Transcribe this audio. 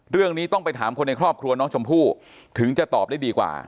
เรื่องนี้ต้องไปถามคนในครอบครัวน้องชมพู่ถึงจะตอบได้ดีกว่า